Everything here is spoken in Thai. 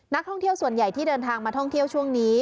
นักท่องเที่ยวส่วนใหญ่ที่เดินทางมาท่องเที่ยวช่วงนี้